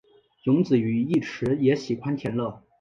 荣子与义持也喜欢田乐。